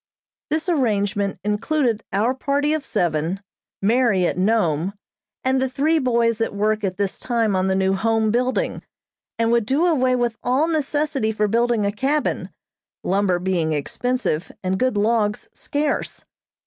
This arrangement included our party of seven, Mary at Nome, and the three boys at work at this time on the new Home building, and would do away with all necessity for building a cabin, lumber being expensive and good logs scarce.